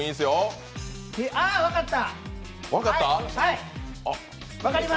ああっ、分かった！